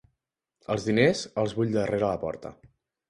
Els diners, els vull darrere la porta.